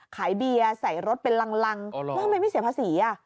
เบียร์ใส่รถเป็นลังแล้วทำไมไม่เสียภาษี